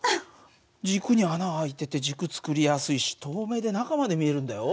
軸に穴開いてて軸作りやすいし透明で中まで見えるんだよ。